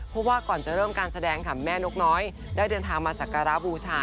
เพราะว่าก่อนจะเริ่มการแสดงค่ะแม่นกน้อยได้เดินทางมาสักการะบูชา